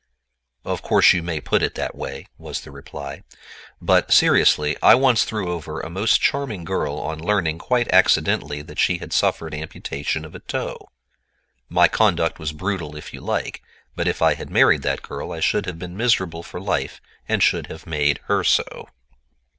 "Of course you may put it that way," was the reply; "but, seriously, I once threw over a most charming girl on learning quite accidentally that she had suffered amputation of a toe. My conduct was brutal if you like, but if I had married that girl I should have been miserable for life and should have made her so."